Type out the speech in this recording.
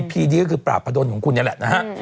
พีดีก็คือปราบพะดนของคุณนี่แหละนะฮะ